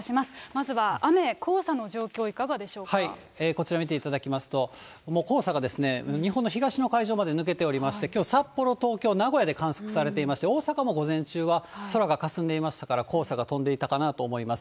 まずは雨、こちら見ていただきますと、黄砂が日本の東の海上まで抜けておりまして、きょう、札幌、東京、名古屋で観測されていまして、大阪も午前中は空がかすんでいましたから、黄砂が飛んでいたかなと思います。